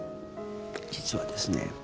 実はですね